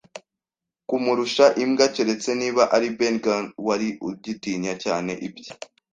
kumurusha imbwa, keretse niba ari Ben Gunn, wari ugitinya cyane ibye